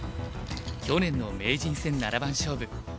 去年の名人戦七番勝負。